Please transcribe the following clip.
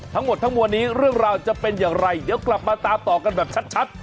ทั้งหมดทั้งมวลนี้เรื่องราวจะเป็นอย่างไรเดี๋ยวกลับมาตามต่อกันแบบชัด